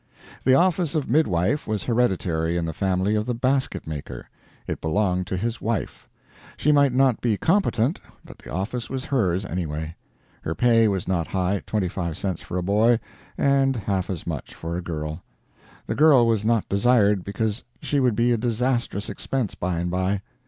The office of midwife was hereditary in the family of the basket maker. It belonged to his wife. She might not be competent, but the office was hers, anyway. Her pay was not high 25 cents for a boy, and half as much for a girl. The girl was not desired, because she would be a disastrous expense by and by.